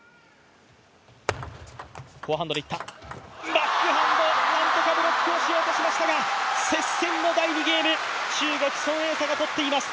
バックハンド、何とかブロックをしようとしましたが、接戦の第２ゲーム、中国孫エイ莎が取っています。